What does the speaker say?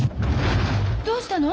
どうしたの？